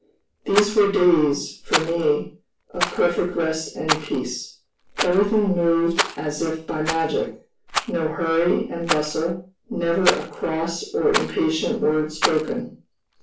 These were days, for me, of perfect rest and peace. Everything moved as if by magic, no hurry and bustle, never a cross or impatient word spoken.